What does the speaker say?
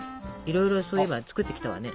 いろいろそういえば作ってきたわね。